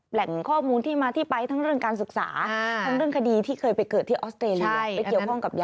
แหล่งข้อมูลที่มาที่ไปทั้งเรื่องการศึกษาอ่าทั้งเรื่องคดีที่เคยไปเกิดที่ออสเตรลีอ่ะใช่